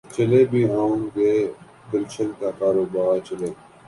چلے بھی آؤ کہ گلشن کا کاروبار چلے